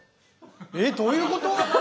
えっどういうこと！？